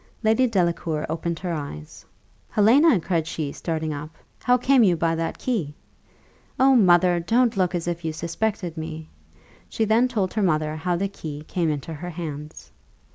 Lady Delacour opened her eyes: "Helena," cried she, starting up, "how came you by that key?" "Oh, mother! don't look as if you suspected me." She then told her mother how the key came into her hands.